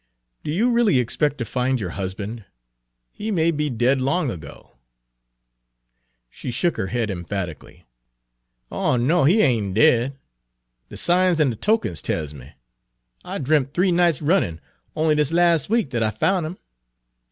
"Do you really expect to find your husband? He may be dead long ago." She shook her head emphatically. "Oh no, he ain' dead. De signs an' de tokens tells me. I dremp three nights runnin' on'y dis las' week dat I foun' him."